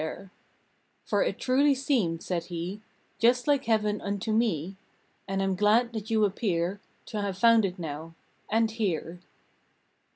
December Twenty seventh "For it truly seemed," said he, "Just like Heaven unto me, And I m glad that you appear To have found it now, and HERE!"